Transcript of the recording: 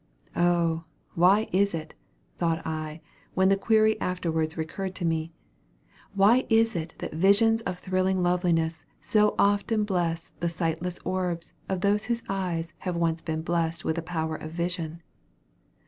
Oh! why is it, (thought I, when the query afterwards recurred to me,) why is it that visions of thrilling loveliness so often bless the sightless orbs of those whose eyes have once been blessed with the power of vision?